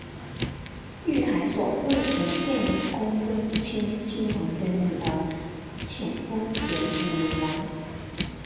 御台所为伏见宫贞清亲王的女儿浅宫显子女王。